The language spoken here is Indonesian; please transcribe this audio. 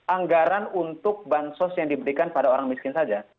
anggaran untuk bansos yang diberikan pada orang miskin saja